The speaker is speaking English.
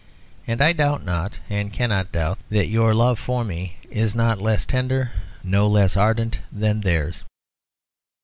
And I doubt not, and cannot doubt, that your love for me is not less tender, no less ardent, than theirs."